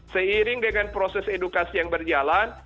seiring dengan proses edukasi yang berjalan